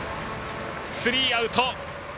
スリーアウト。